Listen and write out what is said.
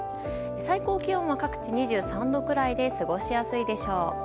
最高気温は各地２３度くらいで過ごしやすいでしょう。